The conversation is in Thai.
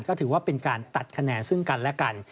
ก็ถือว่าเป็นการตัดคะแนนซึ่งกันและกัน